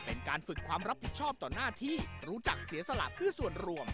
เป็นการฝึกความรับผิดชอบต่อหน้าที่รู้จักเสียสละเพื่อส่วนรวม